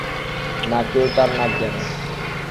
না কেউ তার নাক জানে।